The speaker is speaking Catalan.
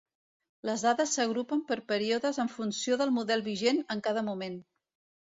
Les dades s'agrupen per períodes en funció del model vigent en cada moment.